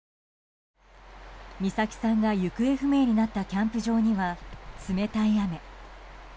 美咲さんが行方不明になったキャンプ場には冷たい雨。